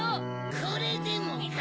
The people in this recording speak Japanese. これでもか？